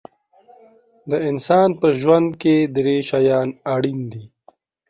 د انسان په ژوند کې درې شیان اړین دي.